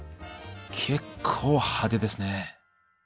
結構派手ですね。